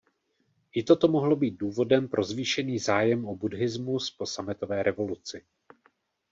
I toto mohlo být důvodem pro zvýšený zájem o buddhismus po Sametové revoluci.